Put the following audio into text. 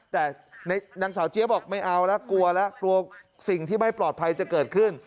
แต่นางสาวเจี๊ยบอกไม่เอาแล้วกลัวแล้วกลัวสิ่งที่ไม่ปลอดภัยจะเกิดขึ้น